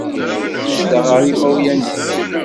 Mazal-it yezdeɣ ɣer yimawlan-nnes.